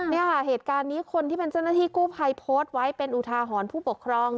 เนี่ยค่ะเหตุการณ์นี้คนที่เป็นเจ้าหน้าที่กู้ภัยโพสต์ไว้เป็นอุทาหรณ์ผู้ปกครอง